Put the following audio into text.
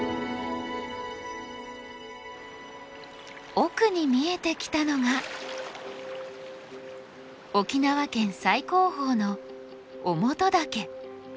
奥に見えてきたのが沖縄県最高峰の於茂登岳。